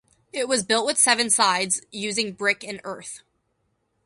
It was built with seven sides using brick and earth.